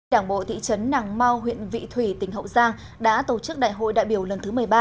đảng bộ thị trấn nàng mau huyện vị thủy tỉnh hậu giang đã tổ chức đại hội đại biểu lần thứ một mươi ba